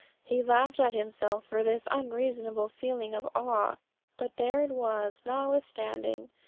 He laughed at himself for this unreasonable feeling of awe; but there it was notwithstanding.